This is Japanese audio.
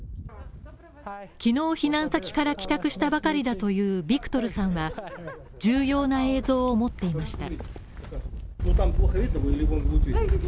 昨日、避難先から帰宅したばかりだというビクトルさんは重要な映像を持っていました。